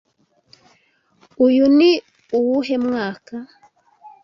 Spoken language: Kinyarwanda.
Uyu ni uwuhe mwaka?